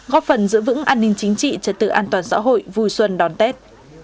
góp phần giữ vững an ninh chính trị trật tự an toàn xã hội vui xuân đón tết